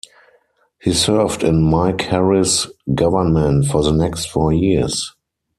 He served in Mike Harris's government for the next four years.